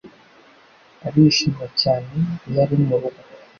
Arishima cyane iyo ari murugo.